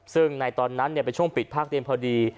ซึ่งในตอนนั้นเป็นช่วงปิดภาคเรียนพอดี